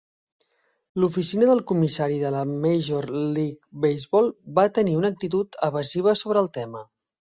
L'oficina del comissari de la Major League Baseball van tenir una actitud evasiva sobre el tema.